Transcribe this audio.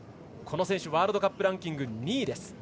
この選手はワールドカップランキング２位。